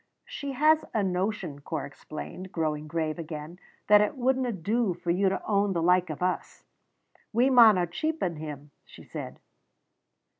"She has a notion," Corp explained, growing grave again, "that it wouldna do for you to own the like o' us. 'We mauna cheapen him,' she said.